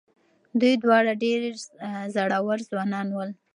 دوی دواړه ډېر زړور ځوانان ول.